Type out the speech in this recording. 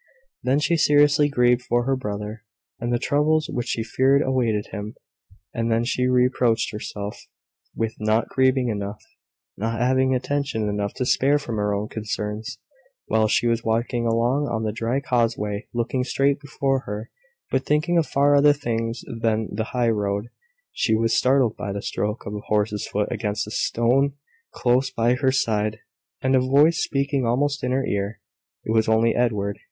Then she seriously grieved for her brother, and the troubles which she feared awaited him; and then she reproached herself with not grieving enough not having attention enough to spare from her own concerns. While she was walking along on the dry causeway, looking straight before her, but thinking of far other things than the high road, she was startled by the stroke of a horse's foot against a stone close by her side, and a voice speaking almost in her ear. It was only Edward.